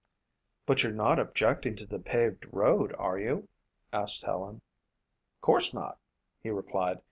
"But you're not objecting to the paved road, are you?" asked Helen. "Course not," he replied.